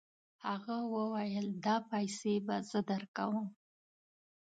هغه وویل دا پیسې به زه درکوم.